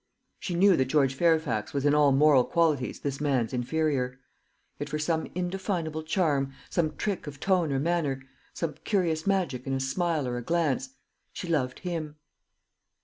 She knew that George Fairfax was in all moral qualities this man's inferior; yet, for some indefinable charm, some trick of tone or manner, some curious magic in a smile or a glance, she loved him.